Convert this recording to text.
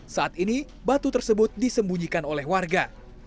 saat ini batu tersebut disembunyikan oleh warga